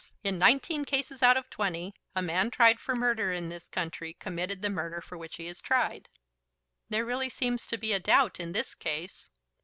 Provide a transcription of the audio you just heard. In nineteen cases out of twenty a man tried for murder in this country committed the murder for which he is tried." "There really seems to be a doubt in this case."